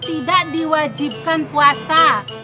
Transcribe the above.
tidak diwajibkan puasa